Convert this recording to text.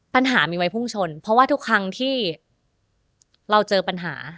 ปัญหามีไว้พุ่งชนเพราะว่าทุกครั้งที่เราเจอปัญหา